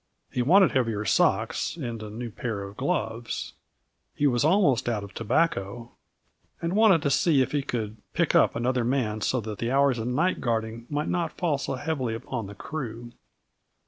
He wanted heavier socks and a new pair of gloves; he was almost out of tobacco, and wanted to see if he could "pick up" another man so that the hours of night guarding might not fall so heavily upon the crew.